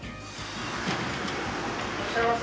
いらっしゃいませ。